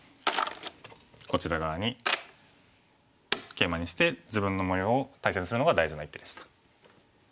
こちら側にケイマにして自分の模様を大切にするのが大事な一手でした。